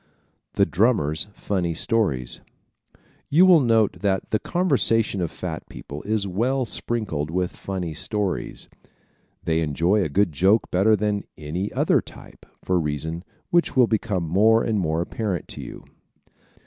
The Drummers' Funny Stories ¶ You will note that the conversation of fat people is well sprinkled with funny stories. They enjoy a good joke better than any other type, for a reason which will become more and more apparent to you.